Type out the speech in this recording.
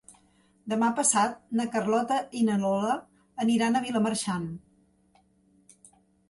Demà passat na Carlota i na Lola aniran a Vilamarxant.